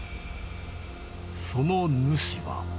その主は。